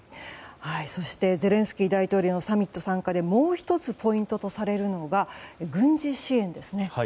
そしてゼレンスキー大統領のサミット参加でもう１つ、ポイントとされるのが軍事支援ですね。